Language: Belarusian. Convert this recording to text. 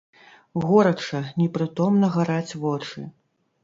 Горача, непрытомна гараць вочы.